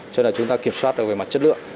cho nên chúng ta kiểm soát về mặt chất lượng